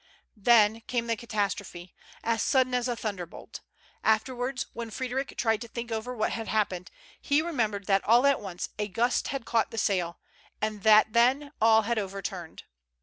Then came the catastrophe, as sudden as a thunder bolt. Afterwards, when Fr^d^ric tried to think over what had happened, he remembered that all at once a gust had caught the sail, and that then all had overturned.